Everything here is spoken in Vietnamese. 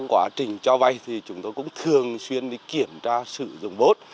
quá trình cho vay thì chúng tôi cũng thường xuyên đi kiểm tra sử dụng bốt